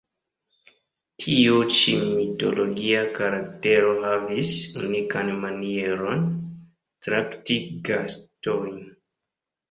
Tiu ĉi mitologia karaktero havis unikan manieron, trakti gastojn.